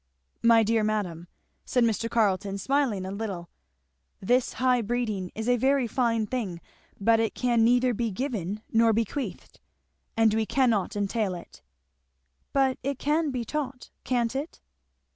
"My dear madam," said Mr. Carleton smiling a little, "this high breeding is a very fine thing, but it can neither be given nor bequeathed; and we cannot entail it." "But it can be taught, can't it?"